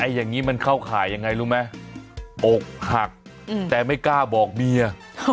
อย่างนี้มันเข้าข่ายยังไงรู้ไหมอกหักแต่ไม่กล้าบอกเมีย